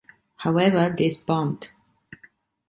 However, this bombed.